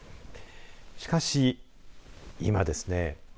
しかし、今ですね